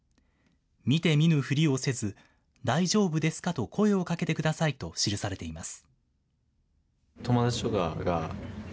見て見ぬふりをせず、大丈夫ですか？と声をかけてくださいと記されています。